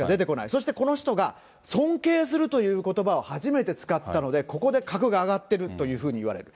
そしてこの人が尊敬するということばを初めて使ったので、ここで格が上がっているというふうにいわれる。